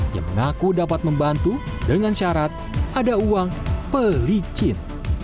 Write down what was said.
yang mengaku dapat membantu dengan syarat ada uang pelicin